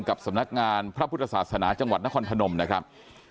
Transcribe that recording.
กับสำนักงานพระพุทธศาสนาจังหวัดนครพนมนะครับ